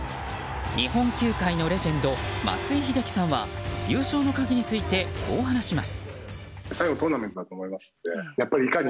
日本球界のレジェンド松井秀喜さんは優勝の鍵についてこう話します。